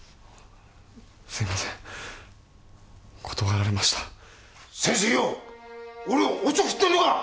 すみません断られました先生よ俺をおちょくってるのか！